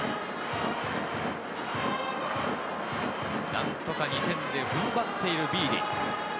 何とか２点で踏ん張っているビーディ。